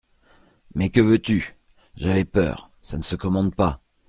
Mais que veux-tu ?… J'avais peur … Ça ne se commande pas.